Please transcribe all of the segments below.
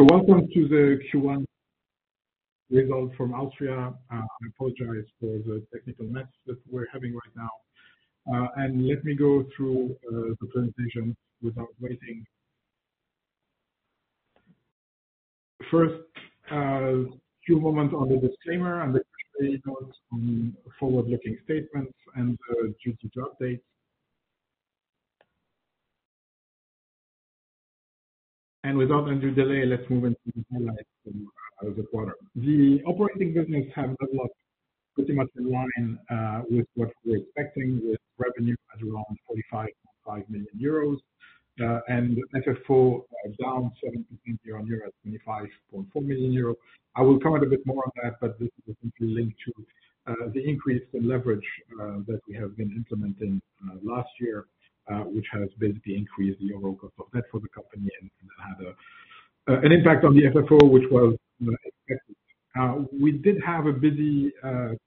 Welcome to the Q1 results from alstria. I apologize for the technical mess that we're having right now. Let me go through the presentation without waiting. First, a few moments on the disclaimer and the on forward-looking statements due to the updates. Without any delay, let's move into the highlights from the quarter. The operating business have developed pretty much in line with what we're expecting, with revenue at around 45.5 million euros, and FFO down 17% year-on-year at 25.4 million euros. I will comment a bit more on that, but this is linked to the increase in leverage that we have been implementing last year, which has basically increased the overall cost of debt for the company and had an impact on the FFO, which was expected. We did have a busy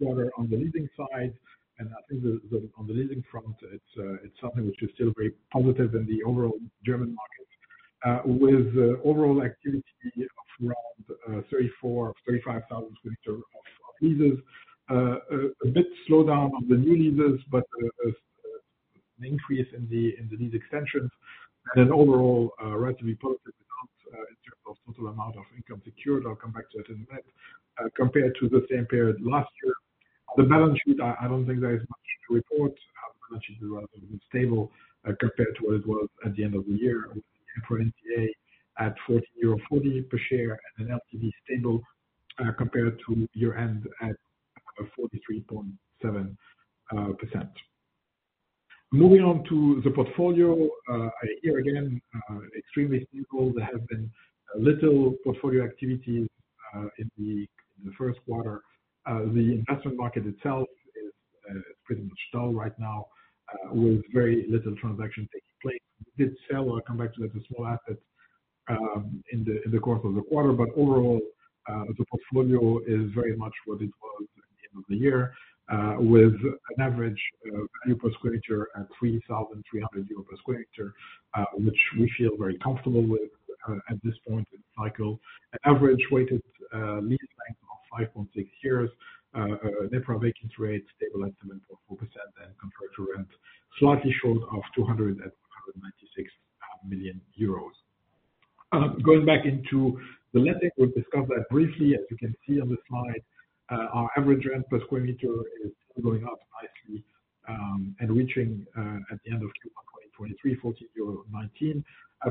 quarter on the leasing side, and I think the on the leasing front it's something which is still very positive in the overall German market, with overall activity of around 34,000-35,000 m2 of leases. A bit slowdown on the new leases, but an increase in the, in the lease extensions and an overall, relatively positive result, in terms of total amount of income secured. I'll come back to that in a bit. Compared to the same period last year. The balance sheet, I don't think there is much to report. Our balance sheet is relatively stable, compared to where it was at the end of the year. For EPRA NTA at 14.40 per share and an LTV stable, compared to year-end at 43.7%. Moving on to the portfolio. Here again, extremely stable. There has been little portfolio activity in the first quarter. The investment market itself is pretty much dull right now, with very little transaction taking place. We did sell, I'll come back to that, a small asset in the course of the quarter. Overall, the portfolio is very much what it was at the end of the year, with an average value per square meter at 3,300 euro per m2 which we feel very comfortable with at this point in the cycle. Average weighted lease length of 5.6 years. Net property vacancy rate stabilized at 7.4% and compared to rent slightly short of 196 million euros. Going back into the lending, we'll discuss that briefly. As you can see on the slide, our average rent per square meter is going up nicely, and reaching at the end of Q1 2023, 14.19 euro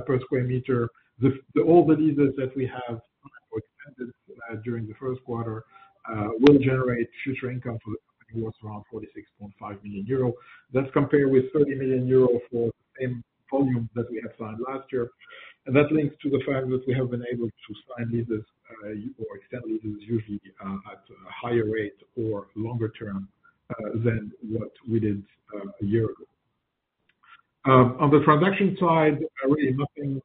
per m2. The older leases that we have extended during the first quarter will generate future income for the company worth around 46.5 million euro. That's compared with 30 million euro for the same volume that we had signed last year. That links to the fact that we have been able to sign leases, or extend leases usually, at a higher rate or longer term, than what we did a year ago. On the transaction side, really nothing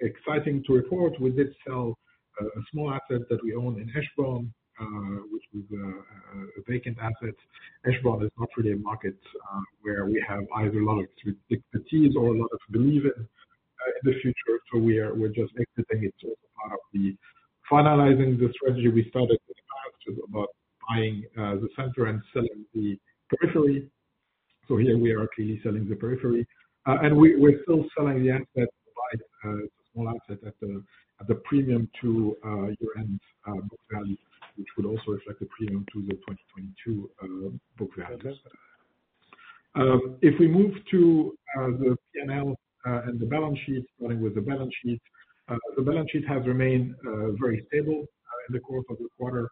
exciting to report. We did sell a small asset that we own in Eschborn, which was a vacant asset. Eschborn is not really a market where we have either a lot of expertise or a lot of belief in the future, so we're just exiting. It's also part of the finalizing the strategy we started in the past about buying the center and selling the periphery. Here we are actually selling the periphery. we're still selling the asset, like, small asset at the, at the premium to year-end book value, which would also reflect the premium to the 2022 book value. If we move to the P&L and the balance sheet, starting with the balance sheet. The balance sheet has remained very stable in the course of the quarter,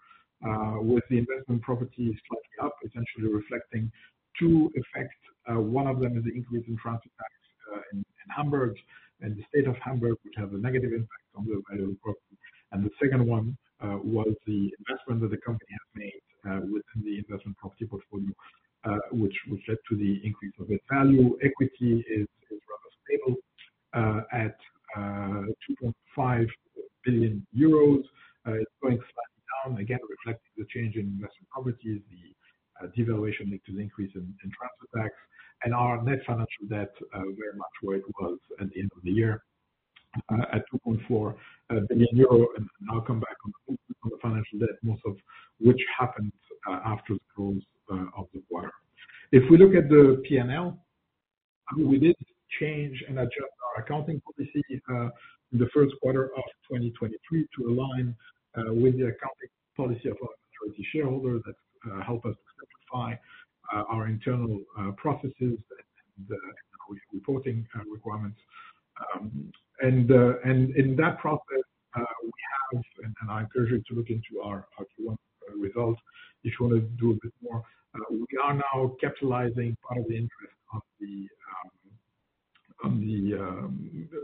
with the investment properties slightly up, essentially reflecting two effects. One of them is the increase in transfer tax in Hamburg, in the state of Hamburg, which has a negative impact on the value of property. The second one was the investment that the company has made within the investment property portfolio, which led to the increase of its value. Equity is rather stable at 2.5 billion euros. It's going slightly down, again, reflecting the change in investment properties, the devaluation linked to the increase in transfer tax. Our net financial debt very much where it was at the end of the year, at 2.4 billion euro. I'll come back on the financial debt, most of which happened after the close of the quarter. If we look at the P&L, we did change and adjust our accounting policy in the first quarter of 2023 to align with the accounting policy of our majority shareholder that help us simplify our internal processes and the reporting requirements. In that process, we have. I encourage you to look into our Q1 results if you want to do a bit more. We are now capitalizing part of the interest of the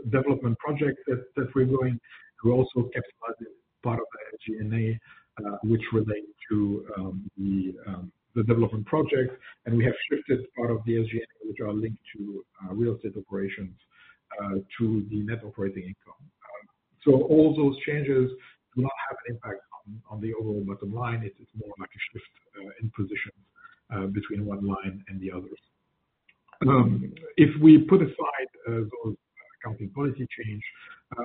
development project that we're doing. We're also capitalizing part of the SG&A which relate to the development project. We have shifted part of the SG&A which are linked to real estate operations to the net operating income. All those changes do not have an impact on the overall bottom line. It's more like a shift in position between one line and the other. If we put aside those accounting policy change,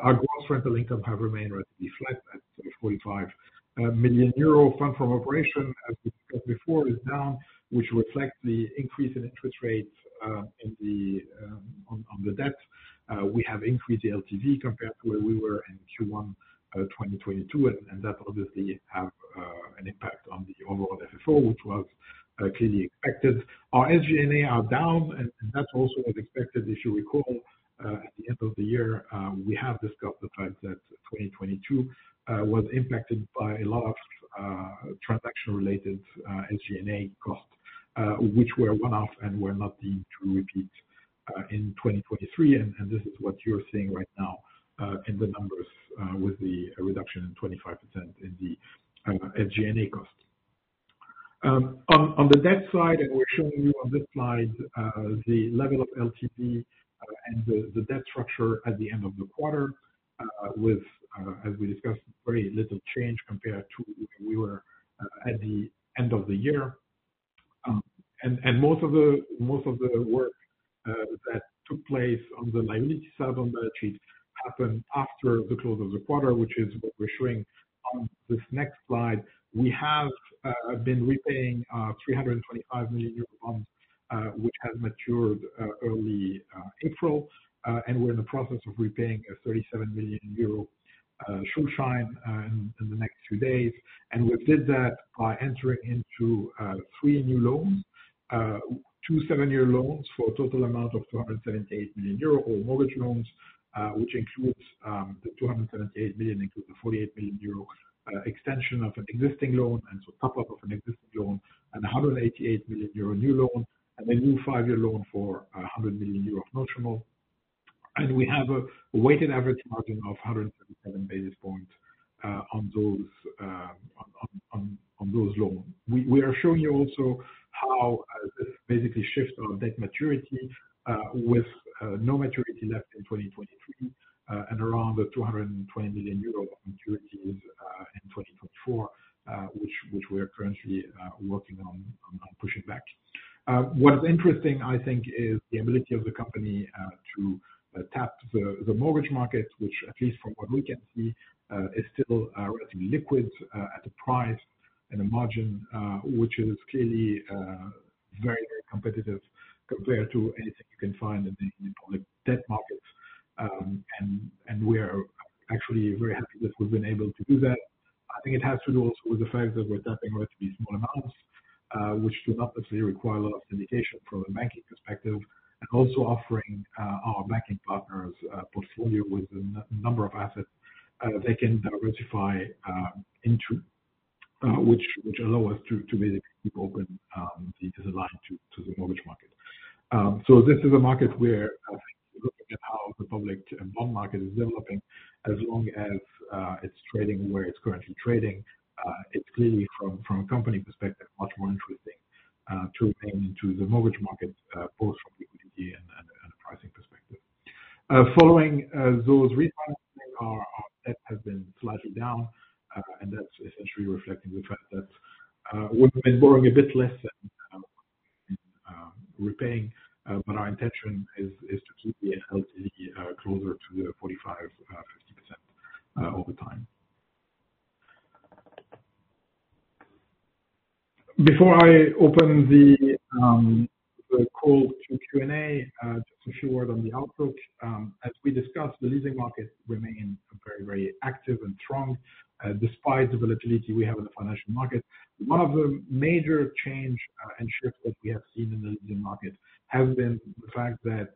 our gross rental income have remained relatively flat at 45 million euro. Fund from operation, as we discussed before, is down, which reflects the increase in interest rates in the debt. We have increased the LTV compared to where we were in Q1 2022, and that obviously have an impact on the overall FFO, which was clearly expected. Our SG&A are down, and that's also as expected. If you recall, at the end of the year, we have discussed the fact that 2022 was impacted by a lot of transaction-related SG&A costs, which were one-off and were not deemed to repeat in 2023. This is what you're seeing right now in the numbers, with the reduction in 25% in the SG&A costs. On the debt side, and we're showing you on this slide the level of LTV and the debt structure at the end of the quarter, with as we discussed, very little change compared to where we were at the end of the year. Most of the work that took place on the liability side of the balance sheet happened after the close of the quarter, which is what we're showing on this next slide. We have been repaying 325 million euro bonds, which has matured early April. We're in the process of repaying a 37 million euro tranches in the next few days. We did that by entering into three new loans. 27 year loans for a total amount of 278 million euro, all mortgage loans, which includes the 278 million includes a 48 million euro extension of an existing loan, and so top up of an existing loan, and a 188 million euro new loan. A new five-year loan for 100 million euro of notes redeemable. We have a weighted average margin of 177 basis points on those loans. We are showing you also how this basically shifts our debt maturity with no maturity left in 2023 and around 220 million euros of maturities in 2024, which we are currently working on pushing back. What is interesting, I think, is the ability of the company to tap the mortgage markets, which at least from what we can see is still relatively liquid at a price and a margin, which is clearly very, very competitive compared to anything you can find in the public debt markets. We're actually very happy that we've been able to do that. I think it has to do also with the fact that we're tapping relatively small amounts, which do not necessarily require a lot of syndication from a banking perspective. Also offering our banking partners a portfolio with a number of assets they can diversify into. Which allow us to basically keep open the line to the mortgage market. This is a market where I think looking at how the public bond market is developing, as long as it's trading where it's currently trading, it's clearly from a company perspective, much more interesting to paying into the mortgage market both from liquidity and a pricing perspective. Following those refinancings, our debt has been slightly down, that's essentially reflecting the fact that we've been borrowing a bit less than repaying. Our intention is to keep the LTV closer to the 45-50% all the time. Before I open the call to Q&A, just a few word on the outlook. As we discussed, the leasing market remain very active and strong despite the volatility we have in the financial market. One of the major change and shift that we have seen in the leasing market has been the fact that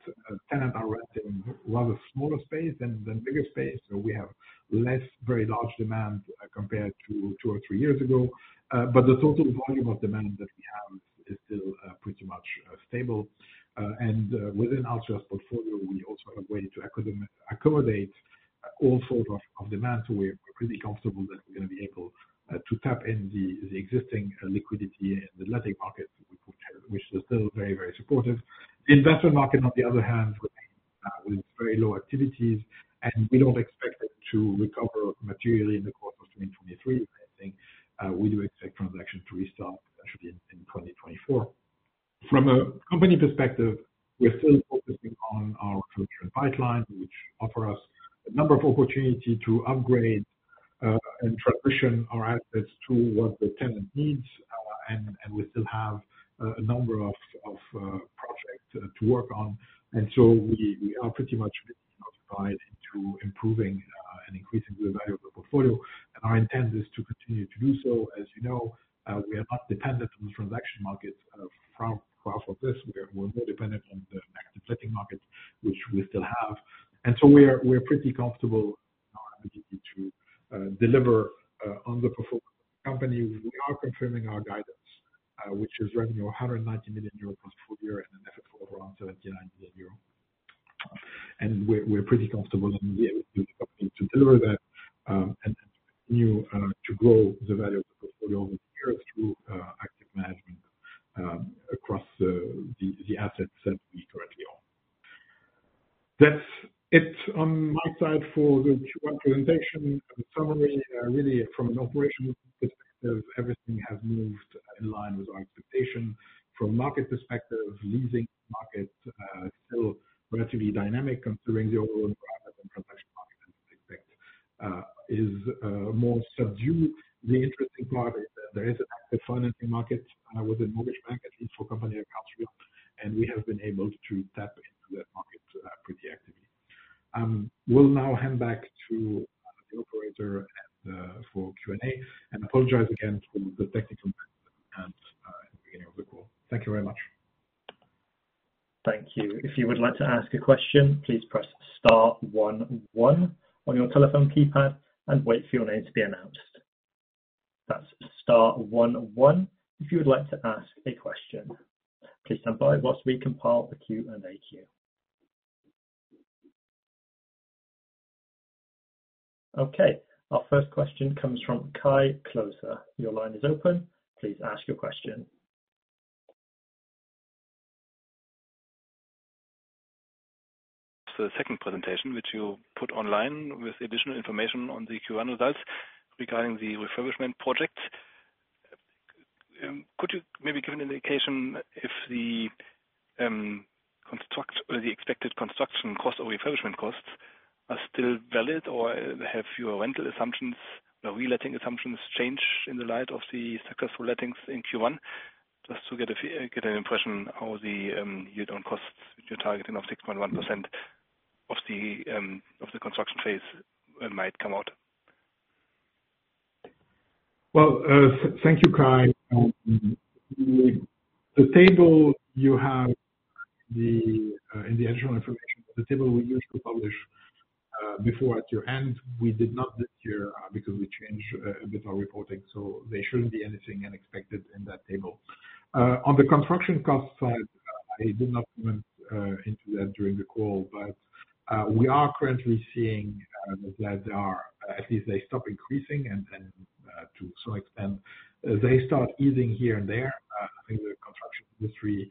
tenant are renting rather smaller space than bigger space. We have less very large demand compared to two or three years ago. The total volume of demand that we have is still pretty much stable. Within alstria's portfolio, we also have a way to accommodate all sort of demand. We're pretty comfortable that we're gonna be able to tap in the existing liquidity in the letting market, which is still very, very supportive. The investor market, on the other hand, remain with very low activities, and we don't expect it to recover materially in the course of 2023. I think we do expect transaction to restart actually in 2024. From a company perspective, we are still focusing on our future pipeline, which offer us a number of opportunity to upgrade and transition our assets to what the tenant needs. We still have a number of project to work on. So we are pretty much committed and occupied into improving and increasing the value of the portfolio. Our intent is to continue to do so. As you know, we are not dependent on the transaction market for our focus. We are more dependent on the active letting market, which we still have. So we are pretty comfortable in our ability to deliver on the portfolio of the company. We are confirming our guidance, which is revenue of 190 million euros plus full year and an effort for around 79 million euros. We're pretty comfortable that we will be able to deliver that and continue to grow the value of the portfolio over the years through active management across the assets that we currently own. That's it on my side for the Q1 presentation summary. Really from an operational perspective, everything has moved in line with our expectation. From market perspective, leasing market still relatively dynamic considering the overall private and professional market and expect is more subdued. The interesting part is that there is an active financing market with the mortgage bank, at least for company accounts view, and we have been able to tap into that market pretty actively. We'll now hand back to the operator for Q&A. Apologize again for the technical difficulties at the beginning of the call. Thank you very much. Thank you. If you would like to ask a question, please press star one one on your telephone keypad and wait for your name to be announced. That's star one one if you would like to ask a question. Please stand by whilst we compile the Q&A queue. Okay, our first question comes from Kai Klose. Your line is open. Please ask your question. The second presentation, which you put online with additional information on the Q1 results regarding the refurbishment project. Could you maybe give an indication if the construct or the expected construction cost or refurbishment costs are still valid or have your rental assumptions, the reletting assumptions changed in the light of the successful lettings in Q1? Just to get an impression how the year-on costs which you're targeting of 6.1% of the construction phase might come out. Well, thank you, Kai Klose. The table you have in the additional information, the table we used to publish before at your end, we did not this year, because we changed with our reporting, so there shouldn't be anything unexpected in that table. On the construction cost side, I did not went into that during the call, but we are currently seeing that they are at least they stop increasing and, to some extent, they start easing here and there. I think the construction industry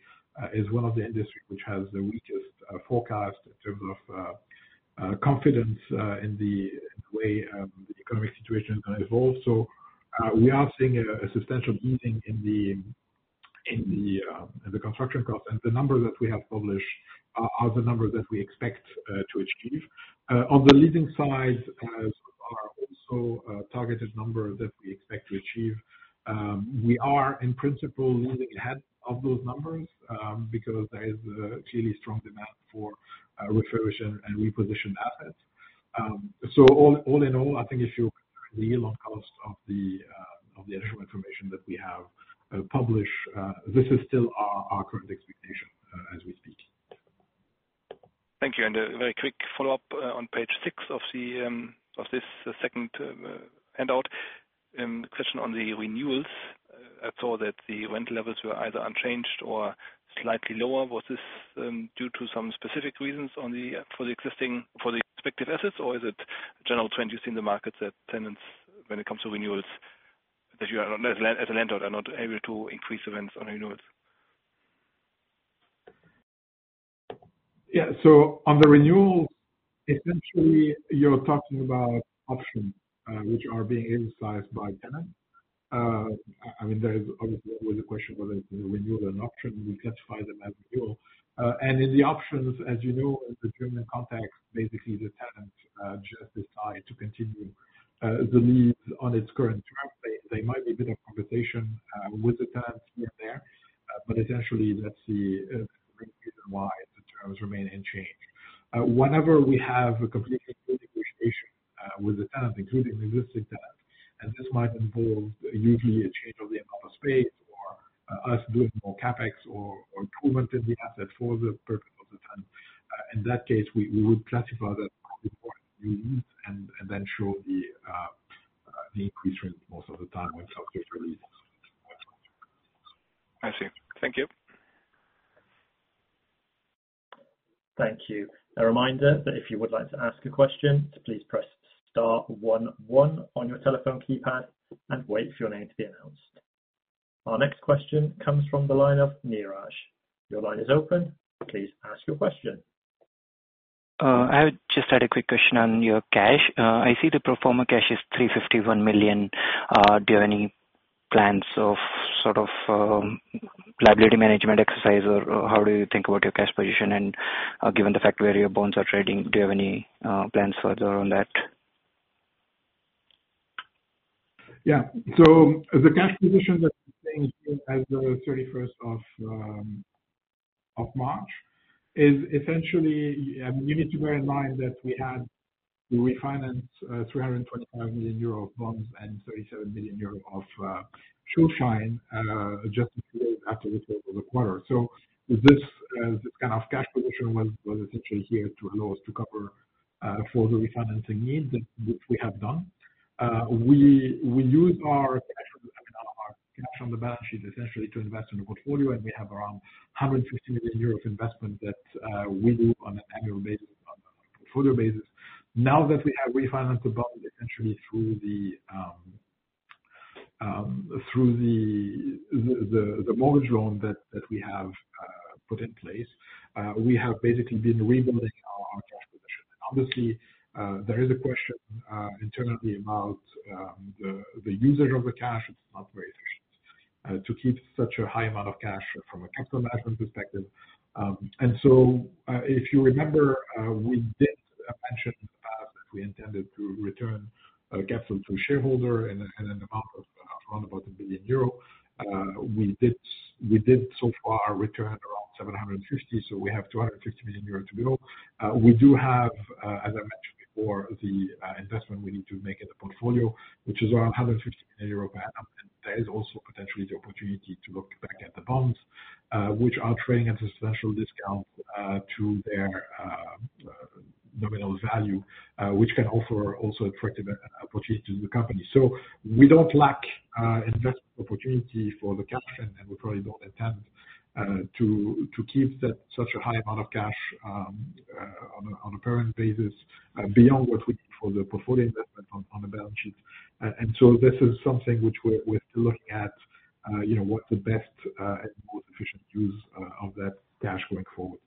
is one of the industry which has the weakest forecast in terms of confidence in the way the economic situation evolved. We are seeing a substantial easing in the construction costs. The numbers that we have published are the numbers that we expect to achieve. On the leasing side, are also a targeted number that we expect to achieve. We are in principle leading ahead of those numbers because there is clearly strong demand for refurbishment and repositioned assets. All in all, I think if you lean on cost of the additional information that we have published, this is still our current expectation as we speak. Thank you. A very quick follow-up on page six of the of this second handout. Question on the renewals. I saw that the rent levels were either unchanged or slightly lower. Was this due to some specific reasons for the expected assets? Or is it general trend you see in the markets that tenants when it comes to renewals, that you are not as a, as a landlord, are not able to increase the rents on renewals? On the renewals, essentially you're talking about options which are being exercised by tenants. I mean there is obviously always a question whether it's a renewal or an option. We classify them as renewal. In the options, as you know in the German context, basically the tenant just decide to continue the lease on its current term. They might be a bit of conversation with the tenants here and there, essentially that's the reason why the terms remain unchanged. Whenever we have a completely new negotiation with the tenant, including existing tenant, and this might involve usually a change of the amount of space or us doing more CapEx or improvement in the asset for the purpose of the tenant. in that case, we would classify that as before new lease and then show the increase rent most of the time when such case releases. I see. Thank you. Thank you. A reminder that if you would like to ask a question, to please press star one one on your telephone keypad and wait for your name to be announced. Our next question comes from the line of Neeraj. Your line is open. Please ask your question. I just had a quick question on your cash. I see the pro forma cash is 351 million. Do you have any plans of sort of, liability management exercise or how do you think about your cash position? Given the fact where your bonds are trading, do you have any plans further on that? The cash position that saying as the 31st of March is essentially, you need to bear in mind that we refinanced 325 million euro of bonds and 37 million euro of Schuldschein just after the close of the quarter. This kind of cash position was essentially here to allow us to cover for the refinancing needs which we have done. We used our cash on the balance sheet essentially to invest in the portfolio, and we have around 150 million euros of investment that we do on an annual basis, on a portfolio basis. Now that we have refinanced the bond essentially through the mortgage loan that we have put in place, we have basically been rebuilding our cash position. Obviously, there is a question internally about the usage of the cash. It's not very efficient to keep such a high amount of cash from a capital management perspective. If you remember, we did mention that we intended to return capital to shareholder in an amount of around about 1 billion euro. We did so far return around 750 million. We have 250 million euro to go. We do have, as I mentioned before, the investment we need to make in the portfolio, which is around 150 million euros. There is also potentially the opportunity to look back at the bonds, which are trading at a substantial discount to their nominal value, which can offer also attractive opportunity to the company. We don't lack investment opportunity for the CapEx, and we probably don't intend to keep such a high amount of cash on a current basis beyond what we need for the portfolio investment on the balance sheet. This is something which we're still looking at, you know, what the best and most efficient use of that cash going forward.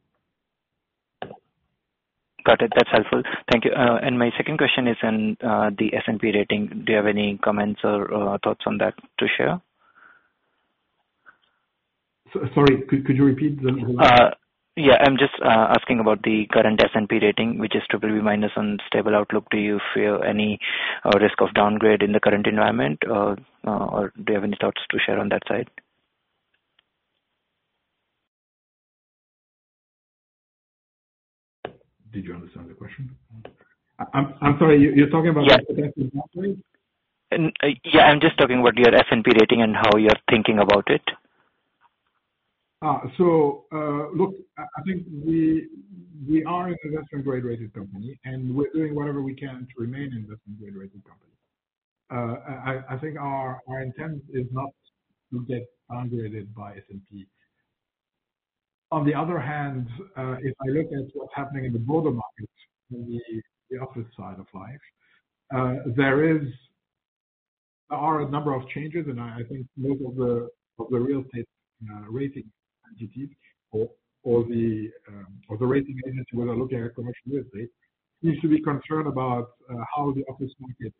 Got it. That's helpful. Thank you. My second question is on the S&P rating. Do you have any comments or thoughts on that to share? Sorry, could you repeat them? Yeah. I'm just asking about the current S&P rating, which is BBB- on stable outlook. Do you fear any risk of downgrade in the current environment or do you have any thoughts to share on that side? Did you understand the question? I'm sorry, you're talking about. Yeah, I'm just talking about your S&P rating and how you're thinking about it. Look, I think we are an investment grade rated company, and we're doing whatever we can to remain investment grade rated company. I think our intent is not to get downgraded by S&P. On the other hand, if I look at what's happening in the broader markets on the opposite side of life, there are a number of changes, and I think most of the real estate rating entities or the rating agencies who are looking at commercial real estate need to be concerned about how the office market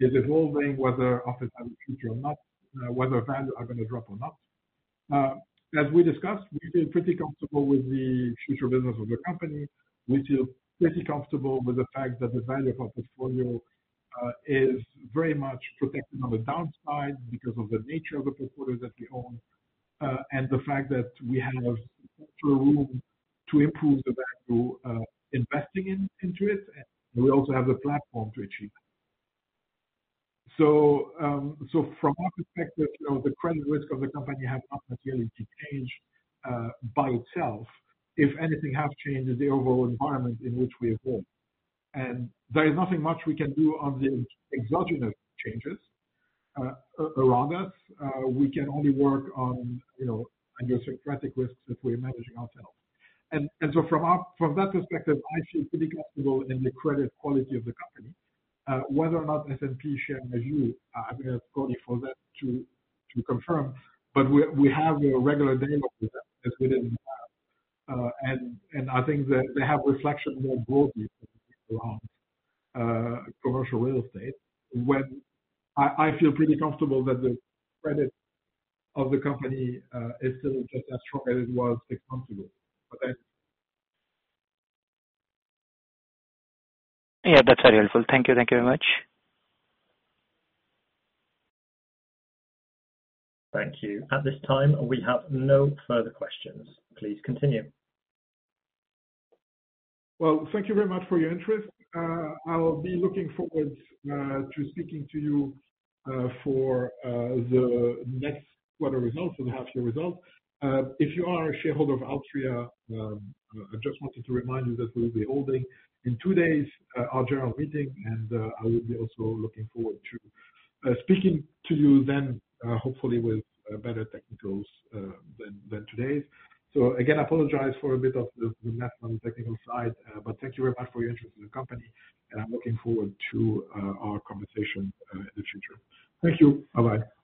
is evolving, whether office have a future or not, whether values are gonna drop or not. As we discussed, we feel pretty comfortable with the future business of the company. We feel pretty comfortable with the fact that the value of our portfolio is very much protected on the downside because of the nature of the portfolio that we own and the fact that we have potential room to improve the value investing into it, and we also have the platform to achieve it. From our perspective, you know, the credit risk of the company has not necessarily changed by itself. If anything has changed is the overall environment in which we evolve. There is nothing much we can do on the exogenous changes around us. We can only work on, you know, idiosyncratic risks that we're managing ourselves. From that perspective, I feel pretty comfortable in the credit quality of the company. Whether or not S&P share my view, I mean, it's probably for them to confirm, but we have a regular dialogue with them as we did in the past. I think that they have reflection more broadly around commercial real estate when I feel pretty comfortable that the credit of the company is still just as strong as it was six months ago. Okay. Yeah. That's very helpful. Thank you. Thank you very much. Thank you. At this time, we have no further questions. Please continue. Well, thank you very much for your interest. I'll be looking forward to speaking to you for the next quarter results and half year results. If you are a shareholder of alstria, I just wanted to remind you that we will be holding in two days, our general meeting, and I will be also looking forward to speaking to you then, hopefully with better technicals than today's. Again, I apologize for a bit of the mess on the technical side. Thank you very much for your interest in the company, and I'm looking forward to our conversation in the future. Thank you. Bye-bye.